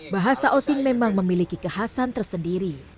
bahasa osing memang memiliki kekhasan tersendiri